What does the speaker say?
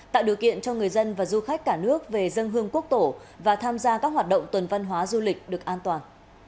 tạo điều kiện cho người dân và du khách cả nước về dân hương quốc tổ và tham gia các hoạt động tuần văn hóa du lịch được an toàn